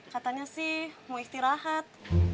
katanya sih mau istirahat